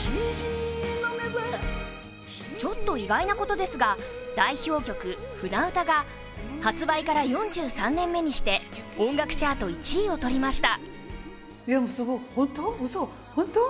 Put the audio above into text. ちょっと意外なことですが、代表曲「舟歌」が発売から４３年目にして音楽チャート１位を取りました。